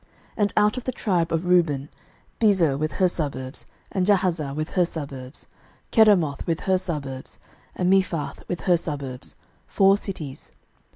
06:021:036 And out of the tribe of Reuben, Bezer with her suburbs, and Jahazah with her suburbs, 06:021:037 Kedemoth with her suburbs, and Mephaath with her suburbs; four cities.